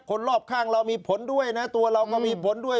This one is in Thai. คนรอบข้างเรามีผลด้วยนะตัวเราก็มีผลด้วย